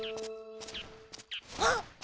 あっ！